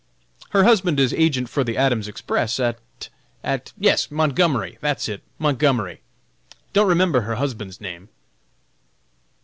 Her husband is agent for the Adams Express at at yes Montgomery! that's it, Montgomery! Don't remember her husband's name."